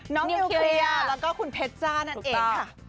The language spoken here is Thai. น้องนิวเคลียและคุณเพชจ้าหนันเอกค่ะ